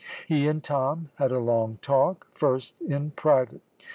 He and Tom had a long talk, first in private.